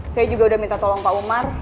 saya juga udah minta tolong pak umar